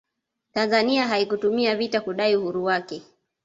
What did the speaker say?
tanzania haikutumia vita kudai uhuru wake